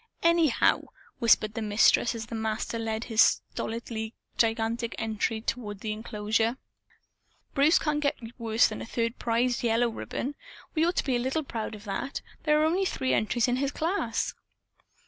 "Anyhow," whispered the Mistress as the Master led his stolidly gigantic entry toward the enclosure, "Bruce can't get worse than a third prize yellow ribbon. We ought to be a little proud of that. There are only three entries in his class."